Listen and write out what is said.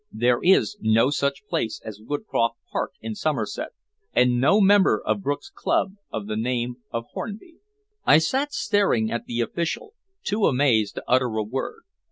There is no such place as Woodcroft Park, in Somerset, and no member of Brook's Club of the name of Hornby." I sat staring at the official, too amazed to utter a word.